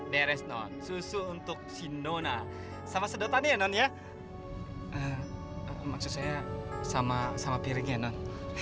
beres non susu untuk si nona sama sedotan ya non ya maksudnya sama sama piring enon